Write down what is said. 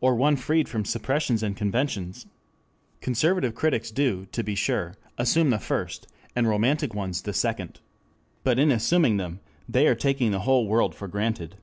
Or one freed from suppressions and conventions? Conservative critics do, to be sure, assume the first, and romantic ones the second. But in assuming them they are taking the whole world for granted.